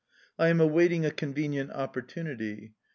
I am awaiting a convenient opportunity.